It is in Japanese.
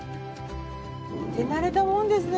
手慣れたもんですね